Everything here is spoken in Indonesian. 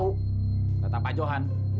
tuh kata pak johan